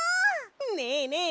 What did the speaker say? ねえねえ